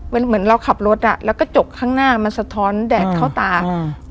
เหมือนเหมือนเราขับรถอ่ะแล้วก็จกข้างหน้ามันสะท้อนแดดเข้าตาอืม